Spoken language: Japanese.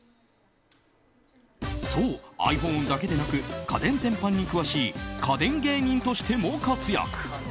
そう、ｉＰｈｏｎｅだけでなく家電全般に詳しい家電芸人としても活躍。